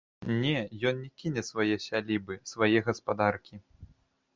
Не, ён не кіне свае сялібы, свае гаспадаркі.